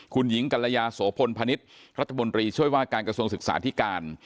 คุณหญิงกัลยาโสพลพนิษฐ์รัฐมนตรีช่วยว่าการกระทรวงศึกษาธิการ